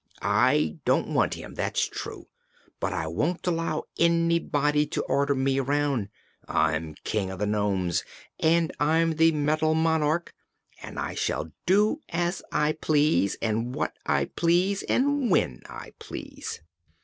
"I don't want him; that's true. But I won't allow anybody to order me around. I'm King of the Nomes and I'm the Metal Monarch, and I shall do as I please and what I please and when I please!"